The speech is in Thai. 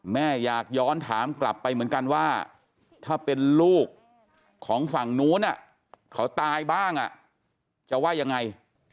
แม่อยากย้อนถามกลับไปเหมือนกันว่าถ้าเป็นลูกของฝั่งนู้นเขาตายบ้างจะว่ายังไง